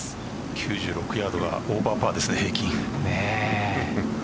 ９６ヤードはオーバーパーですね、平均。